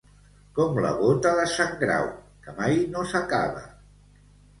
Com la bota de sant Grau, que mai no s'acaba.